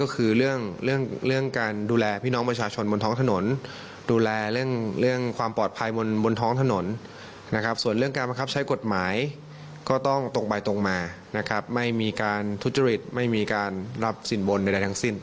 ก็ต้องตรงไปตรงมานะครับไม่มีการทุจริตไม่มีการรับสินบนใดทั้งสิ้น